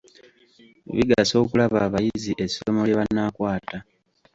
Bigasa okulaba abayizi essomo lye banaakwata.